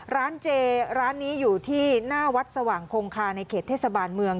ร้านเจร้านนี้อยู่ที่หน้าวัดสว่างคงคาในเขตเทศบาลเมือง